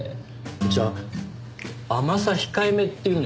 じゃあ甘さひかえめっていうのにしますか？